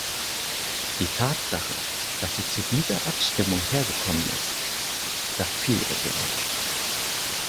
Die Tatsache, dass sie zu dieser Abstimmung hergekommen ist, sagt viel über sie aus.